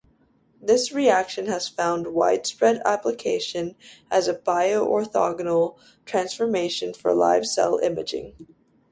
This reaction has found widespread application as a bioorthogonal transformation for live cell imaging.